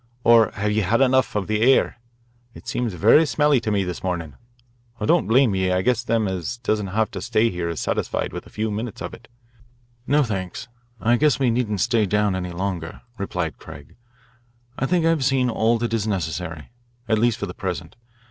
"Or have ye had enough of the air? It seems very smelly to me this mornin' I don't blame ye. I guess them as doesn't have to stay here is satisfied with a few minutes of it." "No, thanks, I guess we needn't stay down any longer," replied Craig. "I think I have seen all that is necessary at least for the present.